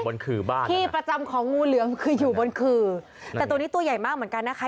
ขื่อบ้านที่ประจำของงูเหลือมคืออยู่บนขื่อแต่ตัวนี้ตัวใหญ่มากเหมือนกันนะคะ